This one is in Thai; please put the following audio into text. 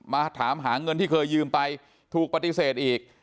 มาถามหาเงินที่เคยยืมไปถูกปฏิเสธอีก